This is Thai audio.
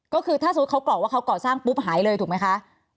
ก็คือถ้าสมมุติเขากรอกว่าเขาก่อสร้างปุ๊บหายเลยถูกไหมคะ